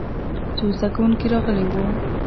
څو زده کوونکي راغلي وو.